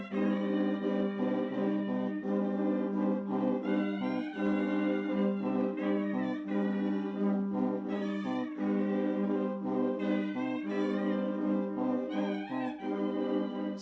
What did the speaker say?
bia berukuran kecil atau klarinet menjadi sentral nada dari bia